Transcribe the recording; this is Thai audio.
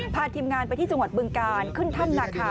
พาทีมงานไปที่จังหวัดบึงการขึ้นถ้ำนาคา